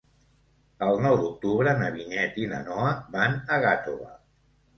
El nou d'octubre na Vinyet i na Noa van a Gàtova.